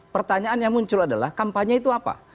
pertanyaan yang muncul adalah kampanye itu apa